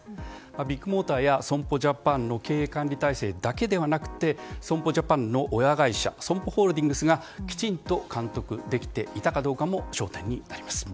ビッグモーターや損保ジャパンの経営管理体制だけではなくて損保ジャパンの親会社ＳＯＭＰＯホールディングスがきちんと監督できていたかどうかも焦点になります。